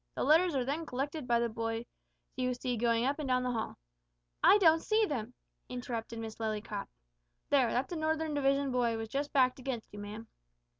The letters are then collected by the boys you see going up and down the hall." "I don't see them," interrupted Miss Lillycrop. "There, that's a northern division boy who has just backed against you, ma'am."